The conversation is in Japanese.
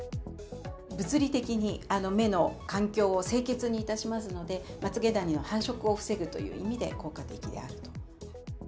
物理的に目の環境を清潔にいたしますので、まつげダニの繁殖を防ぐという意味で効果的であると。